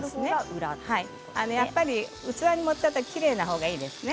やはり器に盛ったときにきれいなほうがいいですね。